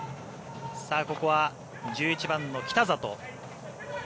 ここは１１番の北里。